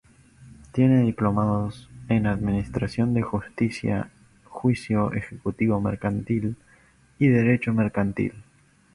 Tiene diplomados en Administración de Justicia, Juicio Ejecutivo Mercantil y Derecho Mercantil.